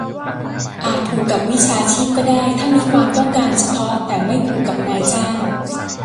อาจผูกกับวิชาชีพก็ได้ ถ้ามีความต้องการเฉพาะ แต่ไม่ผูกกับนายจ้าง